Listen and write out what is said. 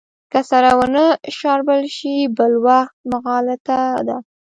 که سره ونه شاربل شي بل وخت مغالطه ده.